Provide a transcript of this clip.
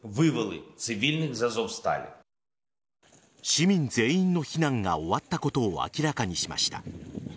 市民全員の避難が終わったことを明らかにしました。